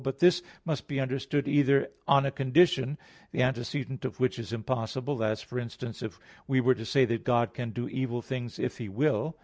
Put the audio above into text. But this must be understood either on a condition, the antecedent of which is impossible as, for instance, if we were to say that God can do evil things if He will.